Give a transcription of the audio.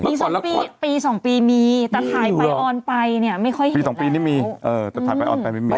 ปีสองปีปีสองปีมีมีอยู่หรอแต่ถ่ายไปอ่อนไปเนี่ยไม่ค่อยเห็นแล้วปีสองปีนี่มีเออแต่ถ่ายไปอ่อนไปไม่มี